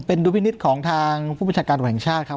เป็นดุลพินิษฐ์ของทางผู้บัญชาการตำรวจแห่งชาติครับ